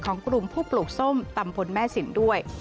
ของกลุ่มผู้ปลูกส้มตำพลแม่สินด้วย